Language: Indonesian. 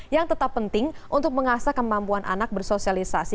yang tetap penting untuk mengasah kemampuan anak bersosialisasi